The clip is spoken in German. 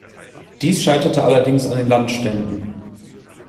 Dies scheiterte allerdings an den Landständen.